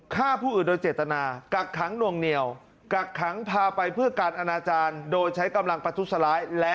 ฆ่าผู้อื่นโดยเจตนากักขังหน่วงเหนียวกักขังพาไปเพื่อการอนาจารย์โดยใช้กำลังประทุษร้าย